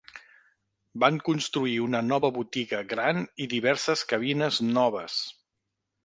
Van construir una nova botiga gran i diverses cabines noves.